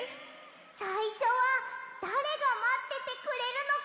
さいしょはだれがまっててくれるのかな？